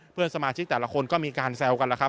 เพื่อนสมาชิกแต่ละคนก็มีการแซวกันแล้วครับ